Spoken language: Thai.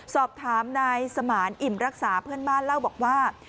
สอบถามนายสมานอิ่มรักษาเพื่อนบ้านเล่าบอกว่า